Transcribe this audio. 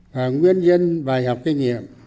và nguyên nhân bài học kinh nghiệm